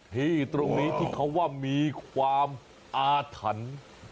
ที่ตรงนี้ที่เขาว่ามีความอาถรรพ์